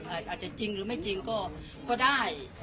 อาจจะจริงหรือไม่จริงก็ได้